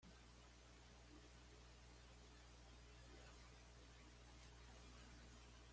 Eran utilizados como animales de tiro o en terrenos difíciles.